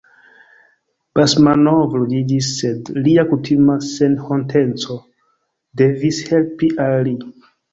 Basmanov ruĝiĝis, sed lia kutima senhonteco devis helpi al li.